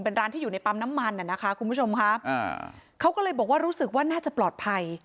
เป็นร้านที่อยู่ในปั๊มน้ำมันน่ะนะคะคุณผู้ชมค่ะอ่าเขาก็เลยบอกว่ารู้สึกว่าน่าจะปลอดภัย